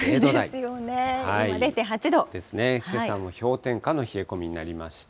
今、ですね、けさも氷点下の冷え込みになりました。